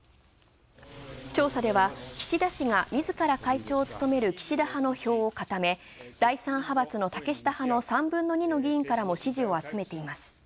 調査では岸田氏が自ら会長をつとめる岸田派の票をかため、第三派閥の竹下派の３分の２から支持を集めています。